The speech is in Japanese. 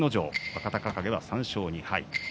若隆景は３勝２敗です。